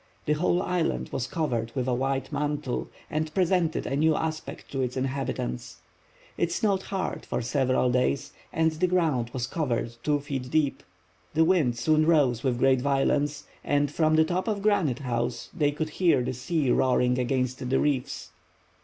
The whole island was covered with a white mantle, and presented a new aspect to its inhabitants. It snowed hard for several days and the ground was covered two feet deep. The wind soon rose with great violence and from the top of Granite House they could hear the sea roaring against the reefs.